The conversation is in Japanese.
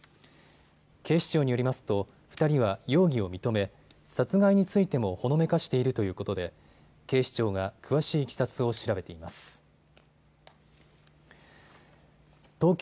警視庁によりますと２人は容疑を認め殺害についてもほのめかしているということで警視庁が詳しいいきさつを調べています。